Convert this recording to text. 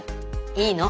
いいの。